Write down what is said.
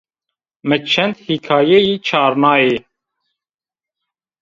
Mi çend hîkayeyî çarnayî